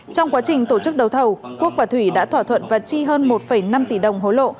trong quá trình tổ chức đấu thầu quốc và thủy đã thỏa thuận và chi hơn một năm tỷ đồng hối lộ